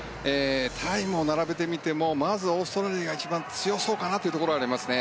タイムを並べてみてもまずオーストラリアが一番強そうかなというところがありますね。